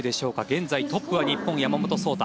現在トップは日本、山本草太